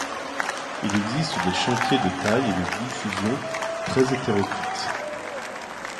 Il existe des chantiers de tailles et de diffusion très hétéroclites.